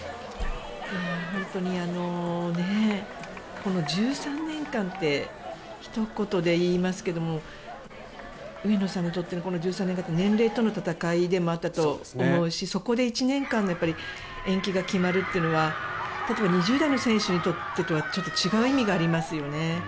この１３年間ってひと言で言いますけど上野さんにとっての１３年間って年齢との戦いでもあったと思うしそこで１年間の延期が決まるというのは例えば２０代の選手にとってとは違う意味がありますよね。